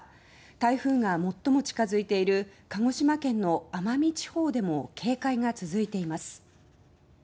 台風が最も近づいている鹿児島県の奄美地方でも警戒が続いています。